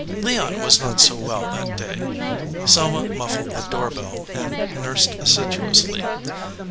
Leon was not so well that day. Selma muffled the door bell and nursed assiduously.